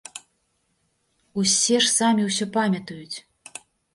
Усе ж самі ўсё памятаюць!